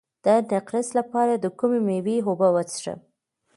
د نقرس لپاره د کومې میوې اوبه وڅښم؟